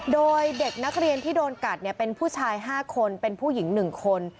โดยเด็กนักเรียนที่โดนกัดเป็นผู้ชาย๕คนเป็นผู้หญิง๑คน